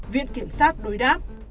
viện kiểm sát đối đáp